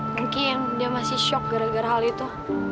mungkin dia masih shock gara gara hal itu